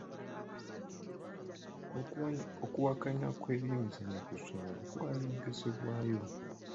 Okuwakanya kw'ebyemizannyo ku ssomero kwayongezebwayo.